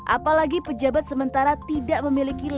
apalagi pejabat sementara tidak memiliki lembaga